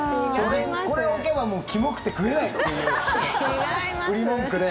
これを置けば、キモくて食えないっていう売り文句で。